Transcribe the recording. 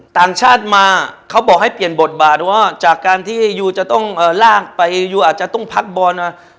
ต่างชาติมาเขาบอกให้เปลี่ยนบทบาทว่าจากการที่ยูจะต้องลากไปยูอาจจะต้องพักบอลนะ